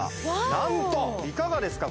なんといかがですか？